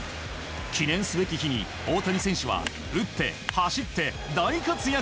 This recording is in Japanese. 記念すべき日に大谷選手は打って走って大活躍。